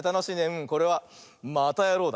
うんこれは「またやろう！」